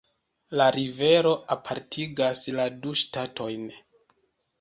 La rivero apartigas la du ŝtatojn.